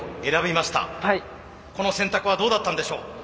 この選択はどうだったんでしょう？